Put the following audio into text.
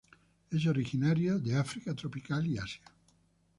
Es originario de África tropical y Asia.